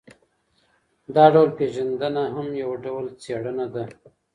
دا ډول پېژندنه هم یو ډول څېړنه ده.